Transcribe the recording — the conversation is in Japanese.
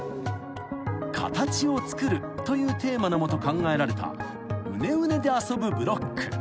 ［形を作るというテーマの下考えられたうねうねで遊ぶブロック］